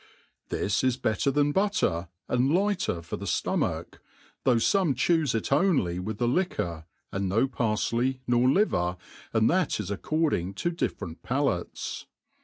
This is better thin butter, and lighter for theftofidacb, though fomechufe it only with the liquor, and up parfley, nor liver,' and that is according to different palates.